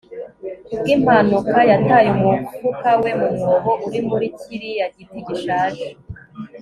ku bw'impanuka yataye umufuka we mu mwobo uri muri kiriya giti gishaje